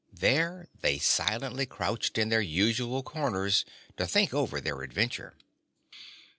There they silently crouched in their usual corners to think over their adventure.